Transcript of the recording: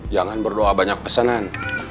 jangan berdoa banyak pesanan